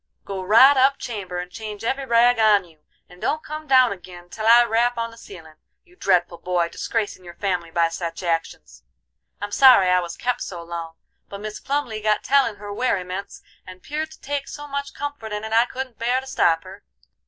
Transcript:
"Go right up chamber, and change every rag on you, and don't come down agin till I rap on the ceilin'; you dreadful boy, disgracin' your family by sech actions. I'm sorry I was kep' so long, but Mis Plumly got tellin' her werryments, and 'peared to take so much comfort in it I couldn't bear to stop her.